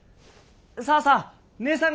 さあさあ姐さん方！